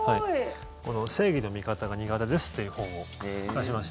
「正義の味方が苦手です」という本を出しました。